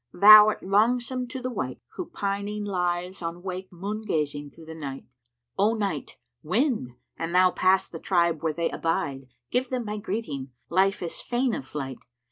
Thou'rt longsome to the wight, who pining lies * On wake, moon gazing through the night, O Night! Wind! an thou pass the tribe where they abide * Give them my greeting, life is fain of flight.